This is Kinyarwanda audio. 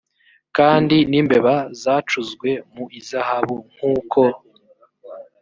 kandi n imbeba zacuzwe mu izahabu nk uko